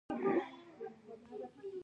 د توکو ساده تولید دوه ګونی خاصیت لري.